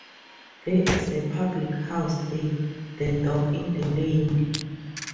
There is a public house there - the "Dog in the Lane".